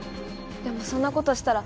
でもそんな事したら。